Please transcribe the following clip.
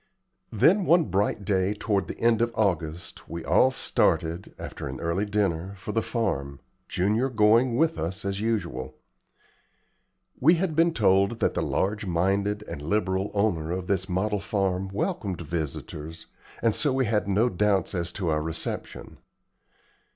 Then, one bright day toward the end of August, we all started, after an early dinner, for the farm, Junior going with us as usual. We had been told that the large minded and liberal owner of this model farm welcomed visitors, and so we had no doubts as to our reception.